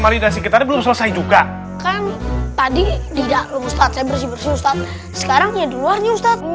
mari kita belum selesai juga kan tadi tidak lho ustadz bersih bersih sekarang ya duluan ustadz